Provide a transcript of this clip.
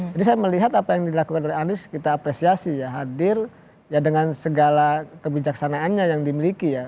jadi saya melihat apa yang dilakukan oleh anis kita apresiasi ya hadir ya dengan segala kebijaksanaannya yang dimiliki ya